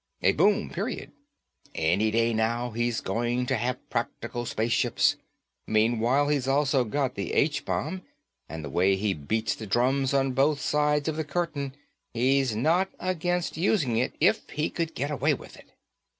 A boom, period. Any day now he's going to have practical space ships. Meanwhile, he's also got the H Bomb and the way he beats the drums on both sides of the Curtain, he's not against using it, if he could get away with it."